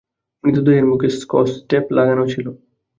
মৃতদেহের মুখে স্কচটেপ লাগানো ছিল।